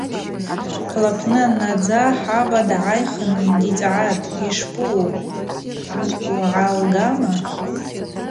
Хъвлапны аннадза хӏаба дгӏайхын дицӏгӏатӏ: Йшпаъу, угӏалгама?